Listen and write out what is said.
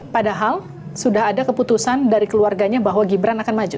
padahal sudah ada keputusan dari keluarganya bahwa gibran akan maju